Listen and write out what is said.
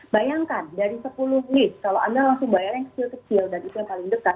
bayangkan dari sepuluh lift kalau anda langsung bayar yang kecil kecil dan itu yang paling dekat